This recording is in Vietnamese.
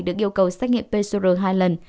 được yêu cầu xét nghiệm pcr hai lần